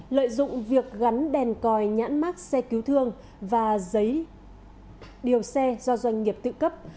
lợi dụng việc gắn đèn còi nhãn mát xe cứu thương và giấy điều xe do doanh nghiệp tự cấp